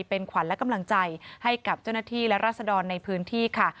เป็นขวัญและกำลังใจให้กับเจ้าหน้าที่และราศดรในพื้นที่ค่ะ